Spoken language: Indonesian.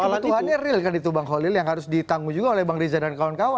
malah tuhannya real kan itu bang holil yang harus ditanggung juga oleh bang riza dan kawan kawan